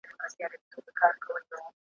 د جاهل په هدیره کي د مکتب خښته ایږدمه `